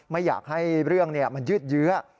ไม่อยากให้เรื่องมันยืดเยื้อ